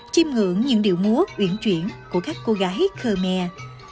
chim ngưỡng những điệu múa uyển chuyển của các cô gái khmer